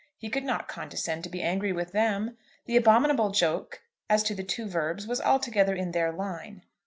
He could not condescend to be angry with them. The abominable joke as to the two verbs was altogether in their line.